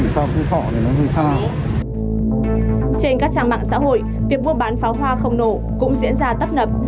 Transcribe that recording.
trên các mạng xã hội việc mua bán pháo hoa không nổ cũng diễn ra tấp nập